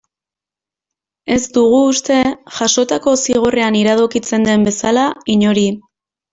Ez dugu uste, jasotako zigorrean iradokitzen den bezala, inori.